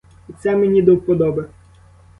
І це мені до вподоби.